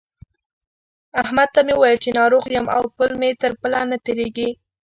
احمد ته مې وويل چې ناروغ يم او پل مې تر پله نه تېرېږي.